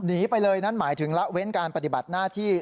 หนีไปเลยนั่นหมายถึงละเว้นการปฏิบัติหน้าที่